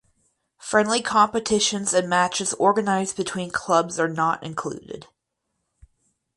Friendly competitions and matches organized between clubs are not included.